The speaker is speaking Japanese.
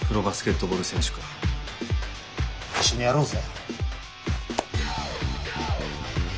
一緒にやろうぜ。